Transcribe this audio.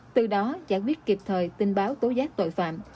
từ đó giải quyết kịp thời tin báo tố giác tội phạm